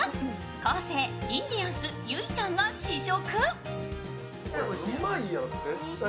昴生、インディアンス、結実ちゃんが試食。